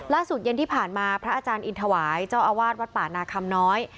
เย็นที่ผ่านมาพระอาจารย์อินทวายเจ้าอาวาสวัดป่านาคำน้อย